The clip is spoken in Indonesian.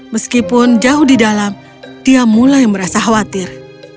meskipun jauh di dalam dia mulai merasa khawatir